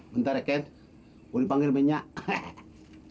bentar kek boleh panggil minyak